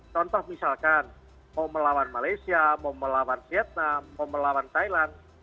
contoh misalkan mau melawan malaysia mau melawan vietnam mau melawan thailand